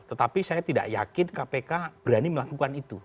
tetapi saya tidak yakin kpk berani melakukan itu